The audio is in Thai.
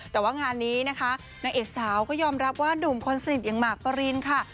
แต่ว่างานนี้นะคะนางเอกสาวก็ยอมรับว่าหนุ่มคนสนิทอย่างมากปรินค่ะ